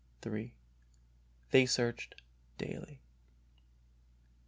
"They searched daily."